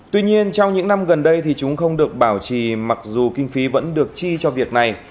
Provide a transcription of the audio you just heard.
tuy nhiên trong những năm gần đây thì chúng không được bảo trì mặc dù kinh phí vẫn được chi cho việc này